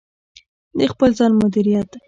د خپل ځان مدیریت: